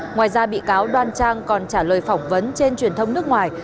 ngoài ra bị cáo đoan trang còn trả lời phỏng vấn trên truyền thông nước ngoài